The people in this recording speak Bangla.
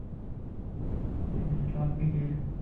আমি ভালো আছি কিন্তু আপনি কে?